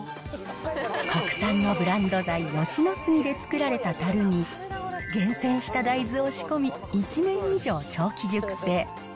国産のブランド材、吉野杉で作られたたるに、厳選した大豆を仕込み、１年以上長期熟成。